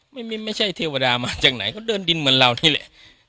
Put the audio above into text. ไม่ใช่เทวดามาจากไหนเขาเดินดินเหมือนเรานี่แหละ